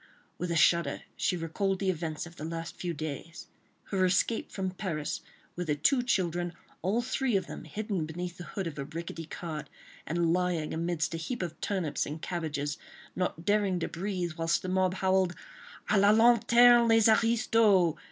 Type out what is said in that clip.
With a shudder, she recalled the events of the last few days, her escape from Paris with her two children, all three of them hidden beneath the hood of a rickety cart, and lying amidst a heap of turnips and cabbages, not daring to breathe, whilst the mob howled "À la lanterne les aristos!"